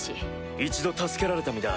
一度助けられた身だ。